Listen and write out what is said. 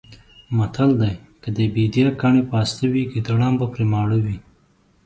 متل دی: که د بېدیا کاڼي پاسته وی ګېدړان به پرې ماړه وی.